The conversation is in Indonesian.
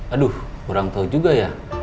aduh kurang tahu juga ya